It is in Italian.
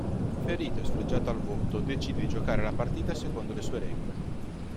Ferito e sfregiato al volto, decide di giocare la partita secondo le sue regole.